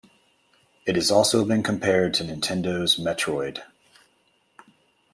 It has also been compared to Nintendo's "Metroid".